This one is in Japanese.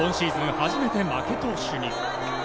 初めて負け投手に。